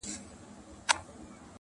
o تر مازي ولاړي، په خرپ نړېدلې ښه ده!